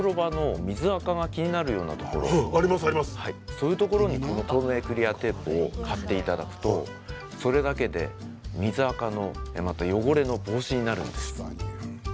そういうところにこの透明クリアテープを貼っていただくと、それだけで水あかの汚れの防止になるんです。